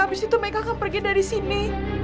habis itu mereka akan pergi dari sini